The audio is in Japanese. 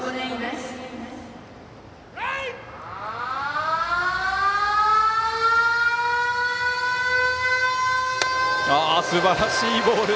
すばらしいボール！